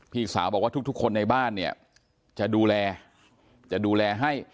พี่สาวบอกว่าทุกคนในบ้านเนี่ยจะดูแลจะดูแลให้